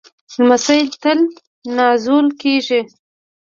لمسی تل نازول کېږي.